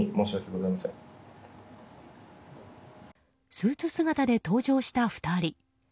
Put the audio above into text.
スーツ姿で登場した２人。